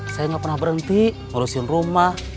saya nggak pernah berhenti ngurusin rumah